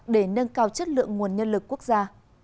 để nâng cao chất lượng nguồn nhân lực quốc gia